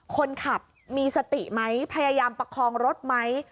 คนขับมีสติไหมพยายามประคองรถไหม